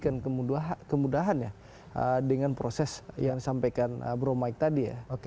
tentu memang diberikan kemudahan ya dengan proses yang disampaikan bro mike tadi ya